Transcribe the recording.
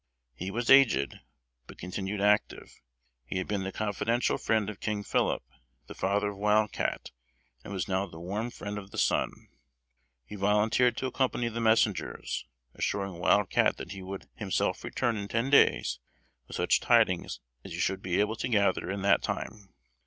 He was aged, but continued active. He had been the confidential friend of King Philip, the father of Wild Cat, and was now the warm friend of the son. He volunteered to accompany the messengers, assuring Wild Cat that he would himself return in ten days with such tidings as he should be able to gather in that time.